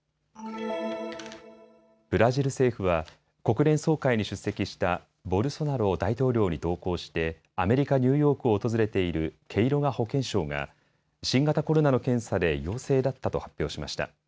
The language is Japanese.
ブラジル政府は国連総会に出席したボルソナロ大統領に同行してアメリカ・ニューヨークを訪れているケイロガ保健相が新型コロナの検査で陽性だったと発表しました。